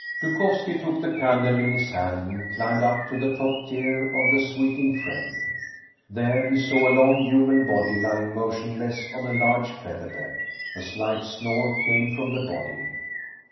Dukovski took the candle in his hand and climbed up to the top tier of the sweating frame. There he saw a long human body lying motionless on a large feather bed. A slight snore came from the body.